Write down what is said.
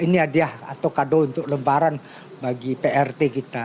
ini hadiah atau kado untuk lebaran bagi prt kita